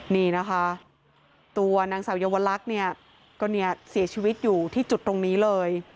นี่นะคะตัวนางสาวเยาวลักษณ์เนี่ยก็เนี่ยเสียชีวิตอยู่ที่จุดตรงนี้เลย